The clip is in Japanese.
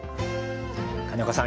金岡さん